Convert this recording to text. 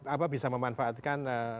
apa bisa memanfaatkan